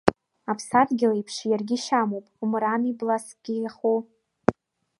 Аԥсадгьыл еиԥш иаргьы шьамуп, мрами бласгьы иахоу.